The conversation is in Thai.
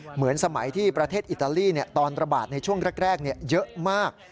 เหมือนสมัยที่ประเทศอิตาลีตอนระบาดในช่วงแรกเยอะมาก